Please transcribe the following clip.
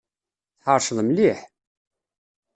Tḥeṛceḍ mliḥ!